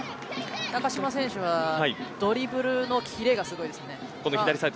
中嶋選手はドリブルのキレがすごいですね。